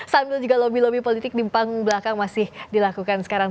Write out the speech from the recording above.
sambil juga lobby lobby politik di panggung belakang masih dilakukan sekarang